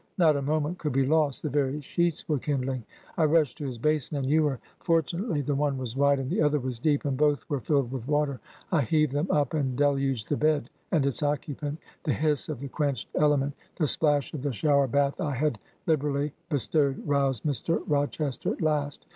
Not a moment could be lost : the very sheets were kin dling. I rushed to his basin and ewer; fortunately the one was wide and the other was deep, and both were filled with water. I heaved them up, and deluged the bed and its occupant. ... The hiss of the quenched ele ment, ... the splash of the shower bath I had lib erally bestowed, roused Mr. Rochester at last.